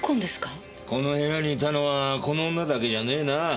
この部屋にいたのはこの女だけじゃねえな。